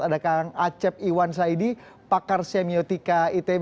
ada kang acep iwan saidi pakar semiotika itb